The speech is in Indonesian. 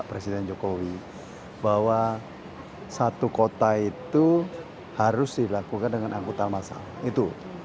presiden jokowi bahwa satu kota itu harus dilakukan dengan angkutan masal itu